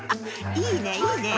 いいねいいねぇ。